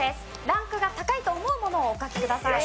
ランクが高いと思うものをお書きください。